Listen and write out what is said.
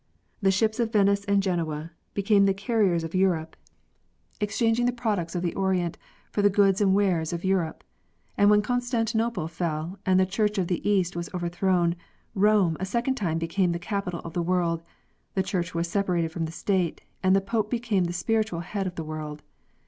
The ships of Venice and Genoa became the carriers of Europe, exchanging The Renaissance of Rome. 15 the products of the Orient for the goods and wares of Europe ; and when Constantinople fell and the church of, the east was overthrown, Rome a second time became the capital of the world, the church was separated from the state, and the pope became the spiritual head of the world.